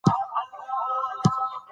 بازار ته راشه.